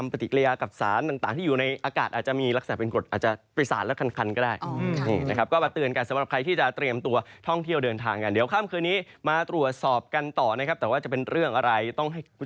เพราะจะมามาตรวจสอบกันต่อแต่ว่าจะเป็นเรื่องอะไรต้องให้ด้วย